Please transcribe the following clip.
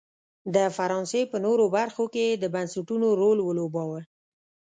د فرانسې په نورو برخو کې یې د بنسټونو رول ولوباوه.